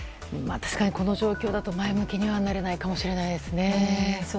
確かにこの状況だと前向きにはなれないかもしれないですね。